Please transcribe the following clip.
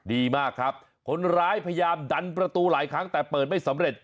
ดีมากครับคนร้ายพยายามดันประตูหลายครั้งแต่เปิดไม่สำเร็จ